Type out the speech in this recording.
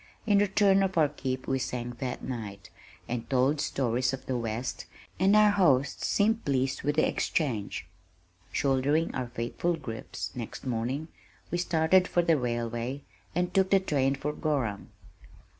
In return for our "keep" we sang that night, and told stories of the west, and our hosts seemed pleased with the exchange. Shouldering our faithful "grips" next morning, we started for the railway and took the train for Gorham.